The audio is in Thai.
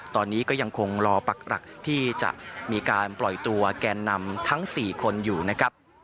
ตอนนี้ก็ยังคงรอปักหลักที่จะมีการปล่อยตัวแกนนำทั้ง๔คนอยู่นะครับ